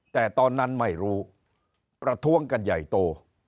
แต่ตอนนั้นไม่รู้ประท้วงกันใหญ่โต